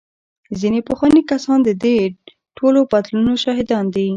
ځینې پخواني کسان د دې ټولو بدلونونو شاهدان دي.